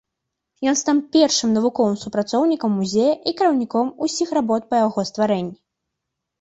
Ён стаў першым навуковым супрацоўнікам музея і кіраўніком ўсіх работ па яго стварэнні.